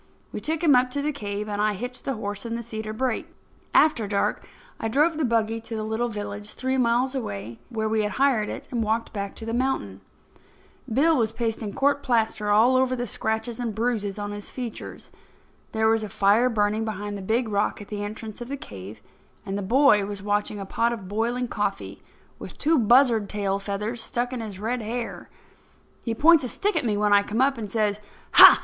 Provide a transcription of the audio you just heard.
We took him up to the cave and I hitched the horse in the cedar brake. After dark I drove the buggy to the little village, three miles away, where we had hired it, and walked back to the mountain. Bill was pasting court plaster over the scratches and bruises on his features. There was a fire burning behind the big rock at the entrance of the cave, and the boy was watching a pot of boiling coffee, with two buzzard tail feathers stuck in his red hair. He points a stick at me when I come up, and says: "Ha!